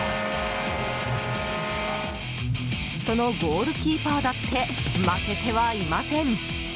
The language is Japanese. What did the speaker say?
そのゴールキーパーだって負けてはいません。